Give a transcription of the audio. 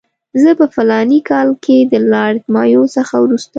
زه په فلاني کال کې د لارډ مایو څخه وروسته.